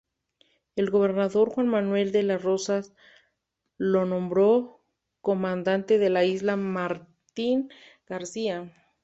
El gobernador Juan Manuel de Rosas lo nombró comandante de la isla Martín García.